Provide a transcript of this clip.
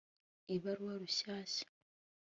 Ibaruwa Rushyashya